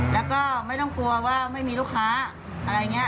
แล้วก็ไม่ต้องกลัวว่าไม่มีลูกค้าอะไรอย่างนี้